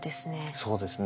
そうですね。